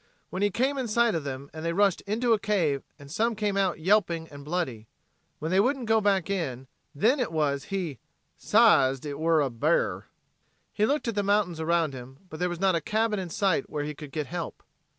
When he came in sight of them they rushed into a cave and some came out yelping and bloody. When they wouldn't go back, then it was he "sized hit wur a bear." He looked at the mountains around him, but there was not a cabin in sight where he could get help.